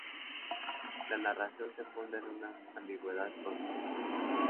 La narración se funda en una ambigüedad constante.